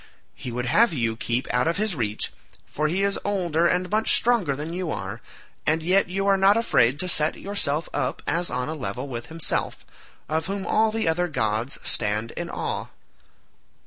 He would have you keep out of his reach, for he is older and much stronger than you are, and yet you are not afraid to set yourself up as on a level with himself, of whom all the other gods stand in awe."